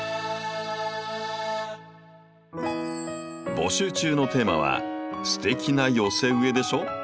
募集中のテーマは「ステキな寄せ植えでしょ！」。